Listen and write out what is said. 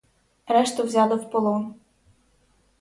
Решту взяли в полон.